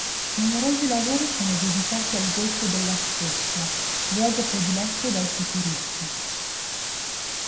Numerosi lavori sono dedicati al golfo della Spezia, luogo prediletto dai futuristi.